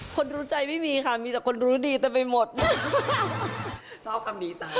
ก็จะมีเมื่อนั้น